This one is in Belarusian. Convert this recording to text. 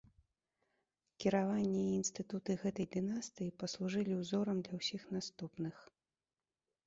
Кіраванне і інстытуты гэтай дынастыі паслужылі ўзорам для ўсіх наступных.